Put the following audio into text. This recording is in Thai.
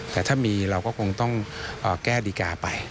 แต่ถ้ามีเราก็คงต้องแก้ดีการ์ไป